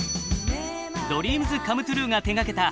ドリームズ・カム・トゥルーが手がけた主題歌